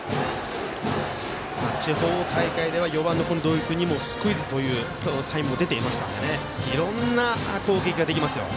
地方大会では４番の土井君にもスクイズというサインが出てましたのでいろんな攻撃ができますよ。